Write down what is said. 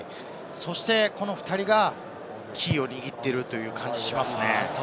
そして、この２人がキーを握っているという感じがしますね。